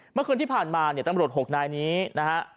เมื่อคืนที่ผ่านมาเนี่ยตำรวจ๖นายนี้นะฮะ